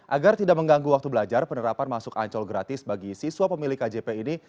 agar tidak mengganggu waktu belajar penerapan masuk ancol gratis bagi siswa pemilik kjp ini